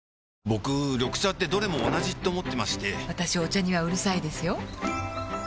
僕緑茶ってどれも同じって思ってまして私お茶にはうるさいですよ